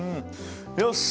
よし。